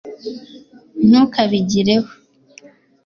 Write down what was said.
ntukabigereho